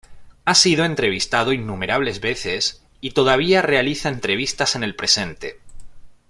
Ha sido entrevistado innumerables veces y todavía realiza entrevistas en el presente.